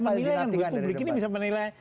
apa yang paling dinantikan dari debat